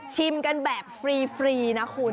ชิมกันแบบฟรีนะคุณ